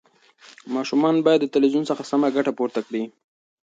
ماشومان باید د تلویزیون څخه سمه ګټه پورته کړي.